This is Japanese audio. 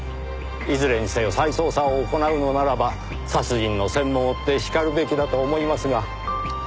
いずれにせよ再捜査を行うのならば殺人の線も追ってしかるべきだと思いますが。